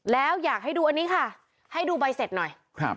แล้วอยากให้ดูอันนี้ค่ะให้ดูใบเสร็จหน่อยครับ